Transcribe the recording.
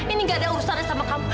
ini gak ada urusannya sama kamu